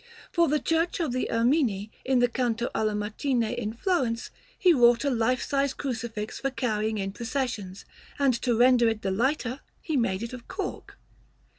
For the Church of the Ermini, in the Canto alla Macine in Florence, he wrought a life size Crucifix for carrying in processions, and to render it the lighter he made it of cork.